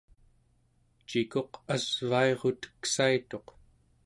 cikuq asvairuteksaituq